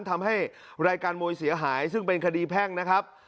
ทำให้รายการมวยเสียหายซึ่งเป็นคดีแพ่งนะครับ